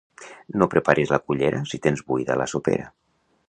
No preparis la cullera si tens buida la sopera.